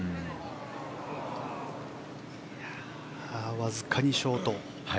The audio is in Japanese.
わずかにショート。